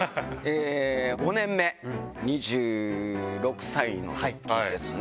５年目、２６歳のときですね。